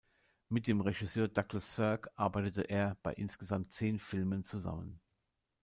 Mit dem Regisseur Douglas Sirk arbeitete er bei insgesamt zehn Filmen zusammen.